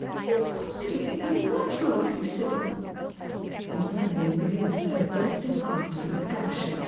It's positively unnatural of you, Sibyl." Aa4 Marion relieves her bursting heart Mrith » gush of teara.